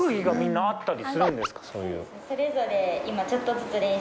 それぞれ今。